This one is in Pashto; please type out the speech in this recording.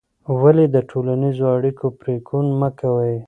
ولې د ټولنیزو اړیکو پرېکون مه کوې؟